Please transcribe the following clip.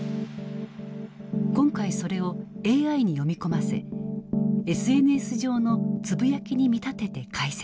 今回それをＡＩに読み込ませＳＮＳ上のつぶやきに見立てて解析。